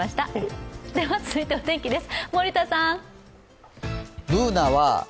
続いてお天気です。